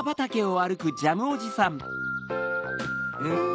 うん！